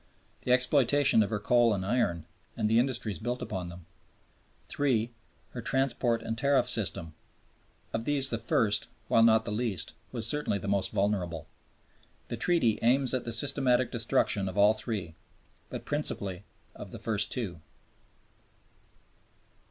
The exploitation of her coal and iron and the industries built upon them; III. Her transport and tariff system. Of these the first, while not the least important, was certainly the most vulnerable. The Treaty aims at the systematic destruction of all three, but principally of the first two.